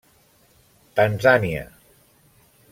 Tanzània.